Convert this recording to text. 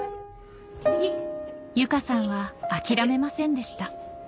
由佳さんは諦めませんでした